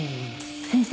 先生